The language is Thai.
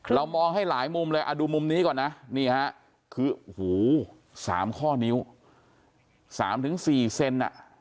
เรามองให้หลายมุมเลยดูมุมนี้ก่อนนะคือ๓ข้อนิ้ว๓๔เซน